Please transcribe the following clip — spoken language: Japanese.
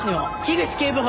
口警部補。